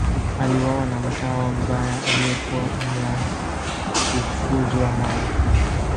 Aliuawa na mtawa mbaya aliyekuwa ameafukuzwa naye.